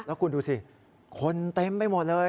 แล้วคุณดูสิคนเต็มไปหมดเลย